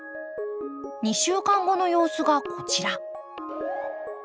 ２週間後の様子がこちら。